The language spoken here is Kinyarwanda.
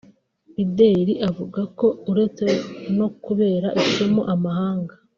Bideri avuga ko uretse no kubera isomo amahanga